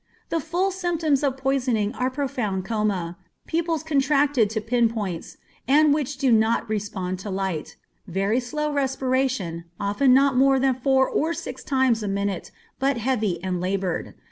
The full symptoms of poisoning are profound coma, pupils contracted to pin points, and which do not respond to light; very slow respiration, often not more than four or six times a minute, but heavy and labored.